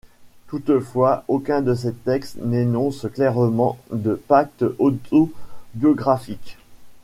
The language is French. Toutefois, aucun de ses textes n'énonce clairement de pacte autobiographique.